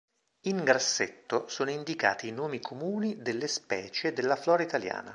In grassetto sono indicati i nomi comuni delle specie della flora italiana.